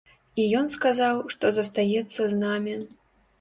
І ён сказаў, што застаецца з намі.